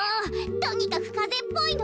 とにかくかぜっぽいの。